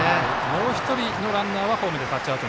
もう１人のランナーはホームでタッチアウト。